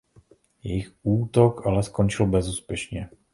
Jejich útok ale skončil bezúspěšně.